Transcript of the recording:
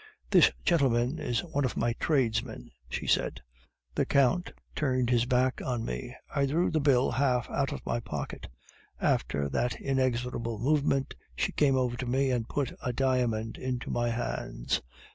"'"This gentleman is one of my tradesmen," she said. "'The Count turned his back on me; I drew the bill half out of my pocket. After that inexorable movement, she came over to me and put a diamond into my hands.